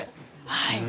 はい。